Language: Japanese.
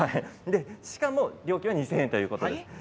しかも料金は２０００円ということです。